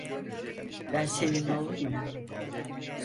Ben senin oğlunum.